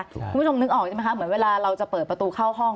คุณผู้ชมนึกออกใช่ไหมคะเหมือนเวลาเราจะเปิดประตูเข้าห้อง